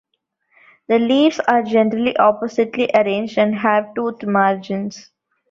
The leaves are generally oppositely arranged and have toothed margins.